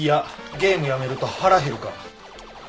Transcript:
ゲームやめると腹減るから。